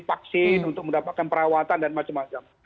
vaksin untuk mendapatkan perawatan dan macam macam